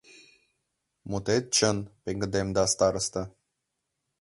— Мутет чын, — пеҥгыдемда староста.